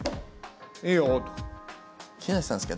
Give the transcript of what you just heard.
「いいよ」。